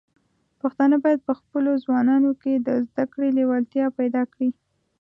پښتانه بايد په خپلو ځوانانو کې د زده کړې لیوالتیا پيدا کړي.